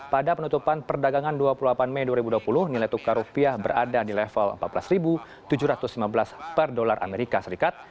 pada penutupan perdagangan dua puluh delapan mei dua ribu dua puluh nilai tukar rupiah berada di level empat belas tujuh ratus lima belas per dolar amerika serikat